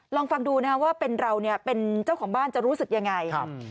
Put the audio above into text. ลองฟังดูนะครับว่าเป็นเราเนี่ยเป็นเจ้าของบ้านจะรู้สึกยังไง